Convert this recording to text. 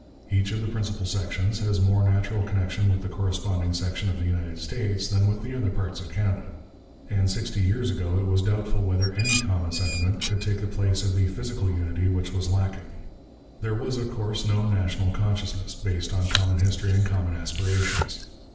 Each of the principal sections has more natural connection with the corresponding section of the United States than with the other parts of Canada. And sixty years ago it was doubtful whether any common sentiment could take the place of the physical unity which was lacking. There was, of course, no national consciousness, based on common history and common aspirations.